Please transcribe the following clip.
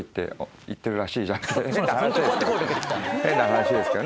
変な話ですけど。